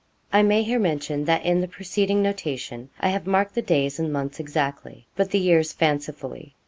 I may here mention that in the preceding notation I have marked the days and months exactly, but the years fancifully.